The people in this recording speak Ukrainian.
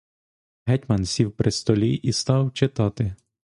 Гетьман сів при столі і став читати.